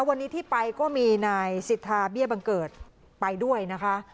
วันนี้ที่ไปก็มีนายสิทธาเบี้ยบังเกิดไปด้วยนะคะ